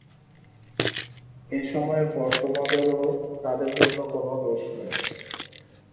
এ সময়ের পর তোমাদের ও তাদের জন্যে কোন দোষ নেই।